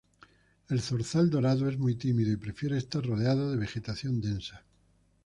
El zorzal dorado es muy tímido y prefiere estar rodeado de vegetación densa.